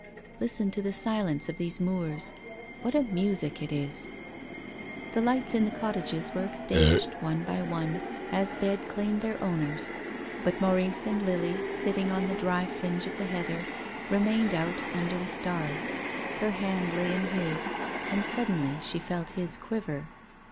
Listen to the silence of these moors. What a music it is !" The lights in the cottages were extinguished one by one, as bed claimed their owners. But Maurice and Lily, sitting on the dry fringe of the heather, remained out under the stars. Her liand lay in his and suddenly she felt his quiver.